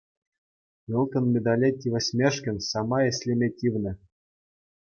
Ылтӑн медале тивӗҫмешкӗн самай ӗҫлеме тивнӗ.